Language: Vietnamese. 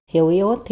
hiểu iốt thì